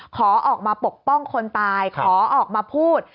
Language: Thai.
ขอออกมาปกป้องคนตายขอออกมาพูด